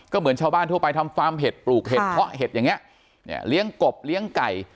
ก็เหมือนชาวบ้านทั่วไปทำฟาร์มเห็ดปลูกเห็ดเพาะเห็ดอย่างนี้เนี่ยเลี้ยงกบเลี้ยงไก่